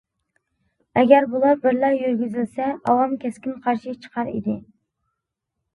ئەگەر بۇلار بىرلا يۈرگۈزۈلسە ئاۋام كەسكىن قارشى چىقار ئىدى.